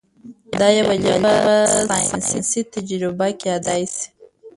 دا یوه جالبه ساینسي تجربه کیدی شي.